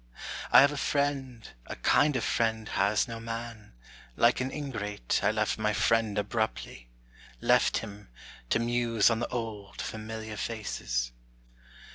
I have a friend, a kinder friend has no man: Like an ingrate, I left my friend abruptly; Left him, to muse on the old familiar faces.